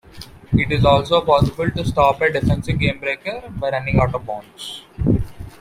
It is also possible to stop a defensive gamebreaker by running out of bounds.